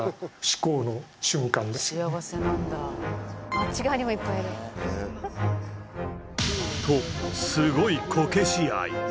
あっち側にもいっぱいいるとすごいこけし愛！